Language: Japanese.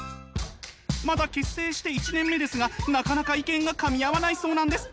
まだ結成して１年目ですがなかなか意見がかみ合わないそうなんです。